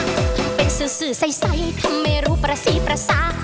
ทำเป็นสื่อใสทำไม่รู้ประสีประสาท